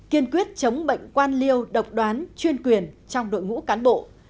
kiên quyết chống bệnh quan liêu độc đoán chuyên quyền trong đội ngũ cán bộ